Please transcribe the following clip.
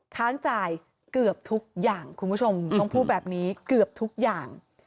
ค้างจ่ายเกือบทุกอย่างคุณผู้ชมต้องพูดแบบนี้เกือบทุกอย่าง